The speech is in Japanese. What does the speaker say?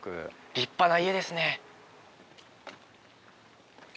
立派な家ですね。